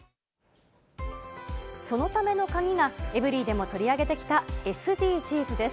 そのための鍵がエブリィでも取り上げてきたＳＤＧｓです。